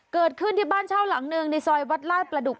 เกิดขึ้นที่บ้านเช่าหลังหนึ่งในซอยวัดลาดประดุก